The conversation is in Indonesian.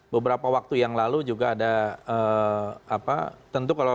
beberapa waktu yang lalu juga ada apa